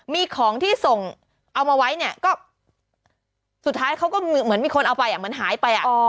มีของที่ส่งเอามาไว้เนี่ยก็สุดท้ายเขาก็เหมือนมีคนเอาไปเหมือนหายไป